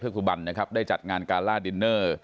คุณบันนะครับได้จัดงานการล่าดินเนอร์